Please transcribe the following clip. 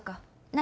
何？